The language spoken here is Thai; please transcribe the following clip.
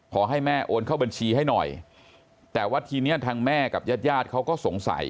ขอให้แม่โอนเข้าบัญชีให้หน่อยแต่ว่าทีเนี้ยทางแม่กับญาติญาติเขาก็สงสัย